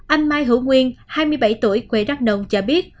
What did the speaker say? anh mai hữu nguyên hai mươi bảy tuổi quê đắk nông cho biết